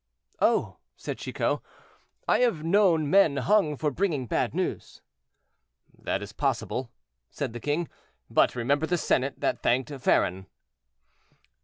"Oh!" said Chicot, "I have known men hung for bringing bad news." "That is possible," said the king; "but remember the senate that thanked Varron."